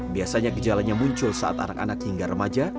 biasanya gejalanya muncul saat anak anak hingga remaja